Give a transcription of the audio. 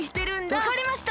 わかりました！